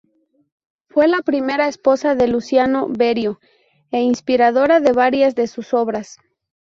Fue la primera esposa de Luciano Berio e inspiradora de varias de sus obras.